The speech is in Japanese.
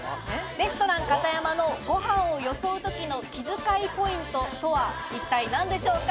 レストランカタヤマのご飯をよそうときの気遣いポイントとは一体何でしょうか。